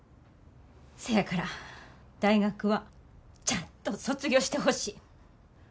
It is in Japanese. せやから大学はちゃんと卒業してほしい。